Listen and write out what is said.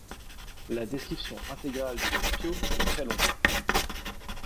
La description intégrale du trapío est très longue.